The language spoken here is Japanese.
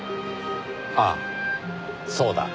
ああそうだ。